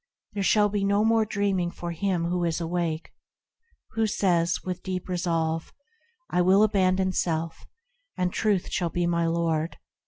There shall be no more dreaming for him who is awake, Who says, with deep resolve, "I will abandon self, and Truth shall be my Lord".